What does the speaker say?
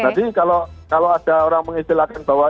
jadi kalau ada orang mengistilahkan bahwa